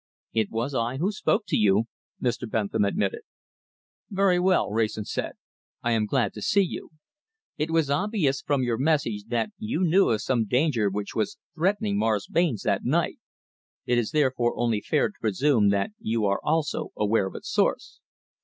"It was I who spoke to you," Mr. Bentham admitted. "Very well," Wrayson said, "I am glad to see you. It was obvious, from your message, that you knew of some danger which was threatening Morris Barnes that night. It is therefore only fair to presume that you are also aware of its source."